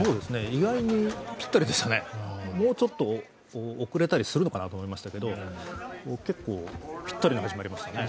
意外にぴったりでしたね、もうちょっと遅れたりするのかなと思いましたけど、結構、ぴったり始まりましたね。